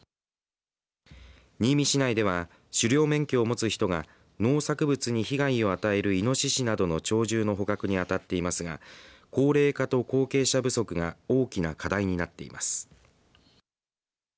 新見市内では狩猟免許を持つ人が農作物に被害を与えるいのししなどの鳥獣の捕獲に当たっていますが高齢化と後継者不足が大きな課題になっています。